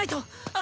あ。